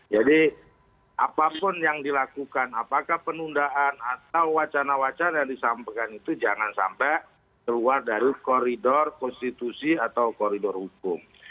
jadi apapun yang dilakukan apakah penundaan atau wacana wacana yang disampaikan itu jangan sampai keluar dari koridor konstitusi atau koridor hukum